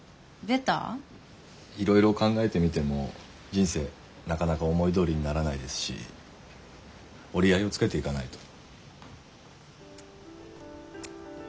いろいろ考えてみても人生なかなか思いどおりにならないですし折り合いをつけていかないと。